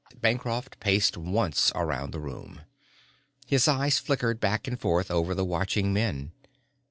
Bancroft paced once around the room. His eyes flickered back and forth over the watching men.